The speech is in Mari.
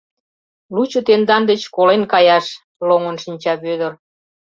— Лучо тендан деч колен каяш... — лоҥын шинча Вӧдыр.